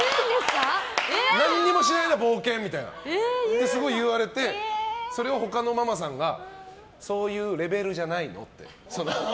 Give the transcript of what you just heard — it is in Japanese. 何もしないな、冒険みたいなってすごい言われてそれを他のママさんがそういうレベルじゃないのって。